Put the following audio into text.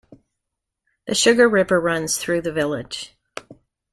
The Sugar River runs through the village.